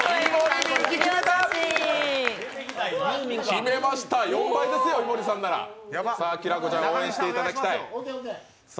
決めました、４倍ですよ井森さんなら！きらこちゃん、応援していただきたい。